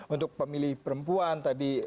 untuk pemilih perempuan tadi